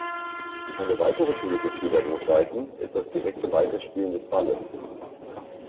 Eine weitere Philosophie der Rot-Weißen ist das direkte Weiterspielen des Balles.